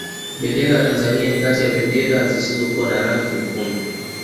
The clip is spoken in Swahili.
bendera ya tanzania ni kati ya bendera zisizokuwa na rangi nyekundu